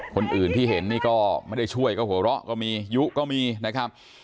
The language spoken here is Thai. คนอื่นที่เห็นนี่ก็ไม่ได้ช่วยก็หัวเราะก็มียุก็มีนะครับ